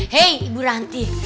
hei ibu ranti